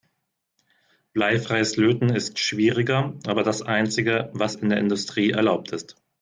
Bleifreies Löten ist schwieriger, aber das einzige, was in der Industrie erlaubt ist.